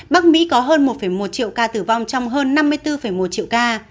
bắc mỹ có hơn một một triệu ca tử vong trong hơn năm mươi bốn một triệu ca